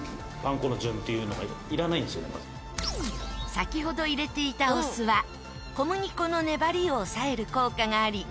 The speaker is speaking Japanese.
先ほど入れていたお酢は小麦粉の粘りを抑える効果があり。